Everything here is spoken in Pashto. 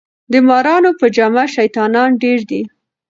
د مارانو په جامه شیطانان ډیر دي